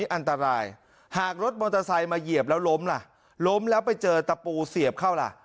อันตรายหากรถมอเตอร์ไซค์มาเหยียบแล้วล้มล่ะล้มแล้วไปเจอตะปูเสียบเข้าล่ะ